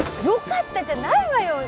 「よかった」じゃないわよ